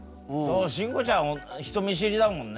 慎吾ちゃん人見知りだもんね。